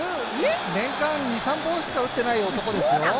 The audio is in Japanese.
年間２３本しか打ってない男ですよ？